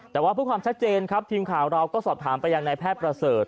แต่ว่าเพื่อความชัดเจนครับทีมข่าวเราก็สอบถามไปยังนายแพทย์ประเสริฐ